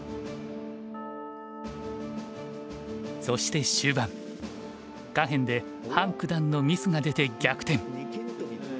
そして終盤下辺で范九段のミスが出て逆転。